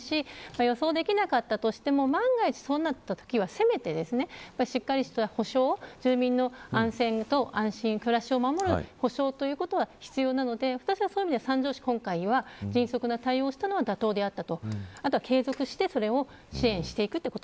予想できなかったとしても万が一そうなったときは、せめてしっかりとした補償、住民の安全と安心、暮らしを守る補償ということは必要なのでそういう意味では三条市は今回は迅速な対応は妥当であった。